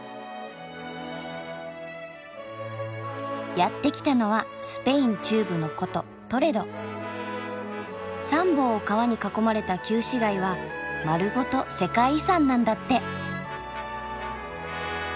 やってきたのはスペイン中部の古都三方を川に囲まれた旧市街は丸ごと世界遺産なんだって。